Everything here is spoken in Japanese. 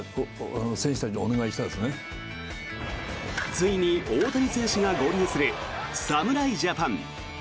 ついに大谷選手が合流する侍ジャパン。